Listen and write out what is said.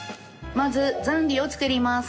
まずザンギを作ります。